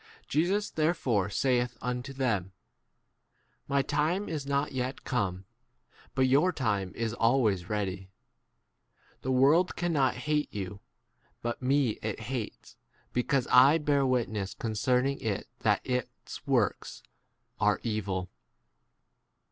J Jesus therefore saith unto them, My time is not yet come, but your r time is always ready. The world cannot hate you, but me it hates, because I * bear witness concerning i it that its works are evil.